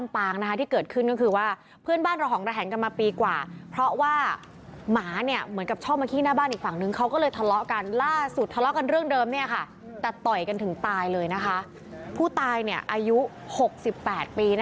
ผู้ตายอายุ๖๘ปี